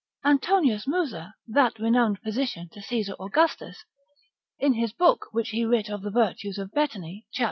Antonius Musa, that renowned physician to Caesar Augustus, in his book which he writ of the virtues of betony, cap.